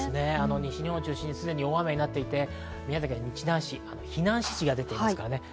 西日本を中心にすでに大雨になっていて宮崎県の日南市に避難指示が出ています。